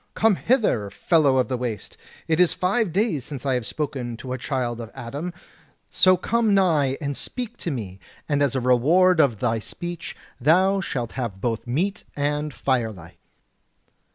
Come hither, fellow of the waste; it is five days since I have spoken to a child of Adam; so come nigh and speak to me, and as a reward of thy speech thou shalt have both meat and firelight."